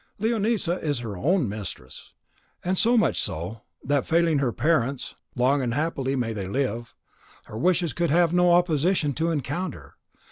Leonisa is her own mistress, and so much so, that failing her parents (long and happily may they live), her wishes could have no opposition to encounter.